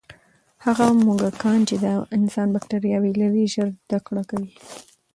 هغه موږکان چې د انسان باکټرياوې لري، ژر زده کړه کوي.